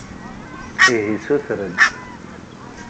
Ihi ssuter-d!